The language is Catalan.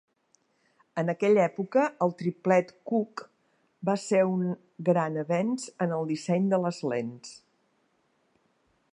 En aquella època, el triplet Cooke va ser un gran avenç en el disseny de les lents.